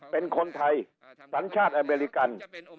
เป็นคนไทยสัญชาติอเมริกัน